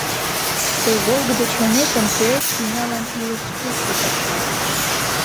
Тый волгыдо чонетым пуэт тӱнялан илыш кече гай.